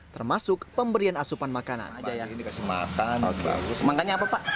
termasuk pemberian asupan makanan